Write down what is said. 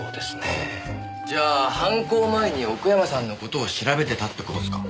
じゃあ犯行前に奥山さんの事を調べてたって事すか？